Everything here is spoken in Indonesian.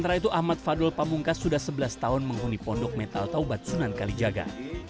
sementara itu ahmad fadul pamungkas sudah sebelas tahun menghuni pondok metal taubat sunan kalijaga